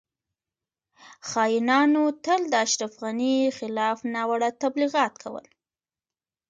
خاینانو تل د اشرف غنی خلاف ناوړه تبلیغات کول